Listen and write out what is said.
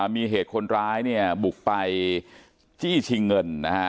มีเหตุคนร้ายเนี่ยบุกไปจี้ชิงเงินนะฮะ